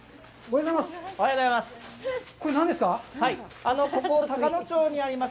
おはようございます。